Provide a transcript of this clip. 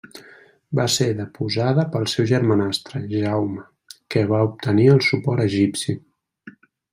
Va ser deposada pel seu germanastre, Jaume, que va obtenir el suport egipci.